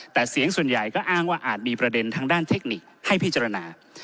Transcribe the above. แต่เสียงส่วนใหญ่ก็อ้างว่าอาจมีประเด็นทางด้านเทคนิคให้พิจารณา